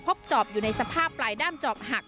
จอบอยู่ในสภาพปลายด้ามจอบหัก